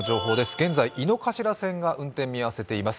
現在、井の頭線が運転見合わせています。